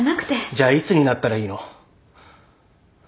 じゃあいつになったらいいの？